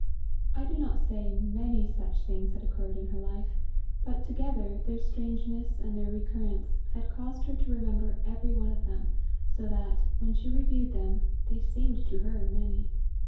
I do not say many such things had occurred in her life; but, together, their strangeness and their recurrence had caused her to remember every one of them, so that, when she reviewed them, they seemed to her many.